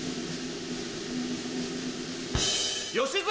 吉住！